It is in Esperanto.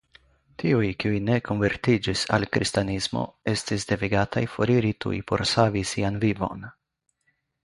Tiuj kiuj ne konvertiĝis al kristanismo estis devigataj foriri tuj por savi sian vivon.